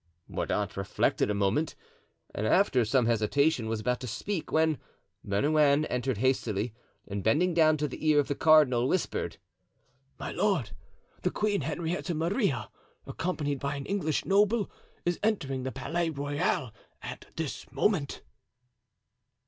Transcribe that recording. Mordaunt reflected a moment and, after some hesitation, was about to speak, when Bernouin entered hastily and bending down to the ear of the cardinal, whispered: "My lord, the Queen Henrietta Maria, accompanied by an English noble, is entering the Palais Royal at this moment."